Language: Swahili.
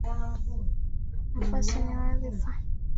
Nafasi ni wadhifa